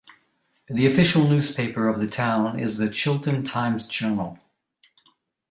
The official newspaper of the town is the Chilton Times-Journal.